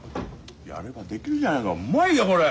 やればできるじゃないかうまいよこれ！